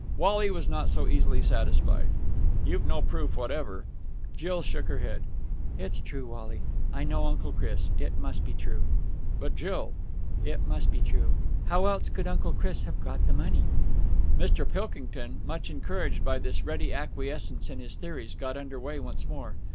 Wally was not so easily satisfied. "You've no proof whatever...." Jill shook her head. "It's true, Wally. I know Uncle Chris. It must be true." "But, Jill...!" "It must be. How else could Uncle Chris have got the money?" Mr. Pilkington, much encouraged by this ready acquiescence in his theories, got under way once more.